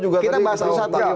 kita bahas satu satu